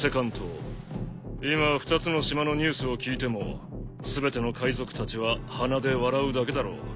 今２つの島のニュースを聞いても全ての海賊たちは鼻で笑うだけだろう。